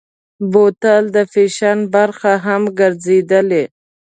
بوتل د فیشن برخه هم ګرځېدلې.